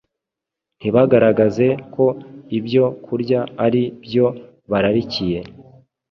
ntibagaragaze ko ibyo kurya ari byo bararikiye.